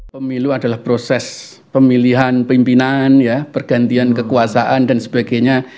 pemilu adalah proses pemilihan pimpinan pergantian kekuasaan dan sebagainya